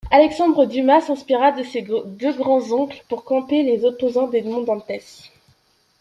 Alexandre Dumas s'inspirera de ses deux grands-oncles pour camper les opposants d'Edmond Dantès.